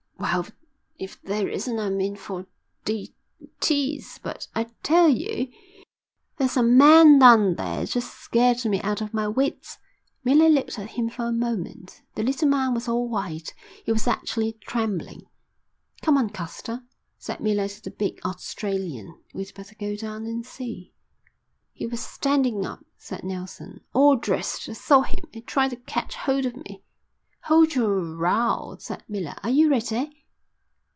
"Well, if there isn't I'm in for D. T's. But I tell you there's a man down there. It just scared me out of my wits." Miller looked at him for a moment. The little man was all white. He was actually trembling. "Come on, Caster," said Miller to the big Australian, "we'd better go down and see." "He was standing up," said Nelson, "all dressed. I saw him. He tried to catch hold of me." "Hold your row," said Miller. "Are you ready?"